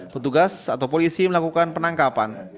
petugas atau polisi melakukan penangkapan